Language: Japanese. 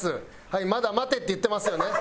「はい“まだ待て”って言ってますよね」